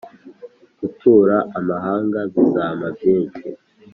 Gutura amahanga Bizampa byinshi.